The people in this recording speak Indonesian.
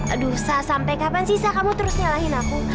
aduh sah sampai kapan sih sah kamu terus nyalahin aku